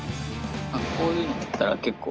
こういうのだったら結構。